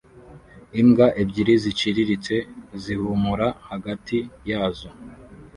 imbwa ebyiri ziciriritse zihumura hagati yazo